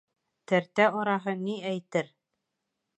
Тәртә араһы ни әйтер?